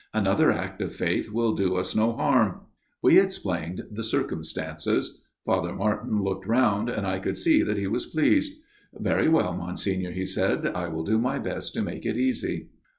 Another act of faith will do us no harm." We explained the circumstances. Father Martin looked round ; and I could see that he was pleased. " Very well, Monsignor," he said, " I will do my best to make it easy."